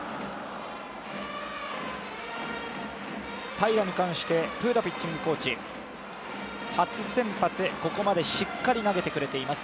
平良に関してピッチング、初先発、ここまでしっかり投げてくれています。